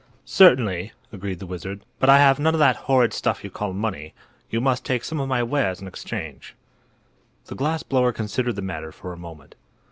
"Certainly," agreed the wizard. "But I have none of that horrid stuff you call money. You must take some of my wares in exchange." The glass blower considered the matter for a moment.